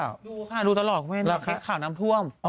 ดูค่ะดูตลอดครับคุณแม่นำเทือม